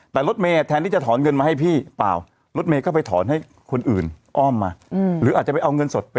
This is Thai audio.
แต่รถเมย์แทนที่จะถอนเงินมาให้พี่เปล่า